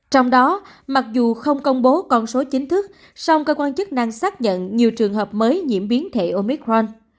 trong đó mặc dù không công bố con số chính thức song cơ quan chức năng xác nhận nhiều trường hợp mới nhiễm biến thể omicron